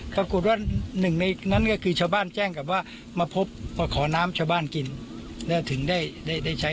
ปรากฏว่าหนึ่งในนั้นก็คือชาวบ้านแจ้งกับว่ามาพบมาขอน้ำชาวบ้านกินแล้วถึงได้ได้ใช้